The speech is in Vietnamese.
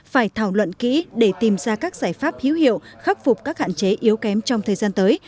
phải thảo luận kỹ để tìm ra các giải pháp hiếu hiệu khắc phục các hạn chế yếu kém trong thời gian tới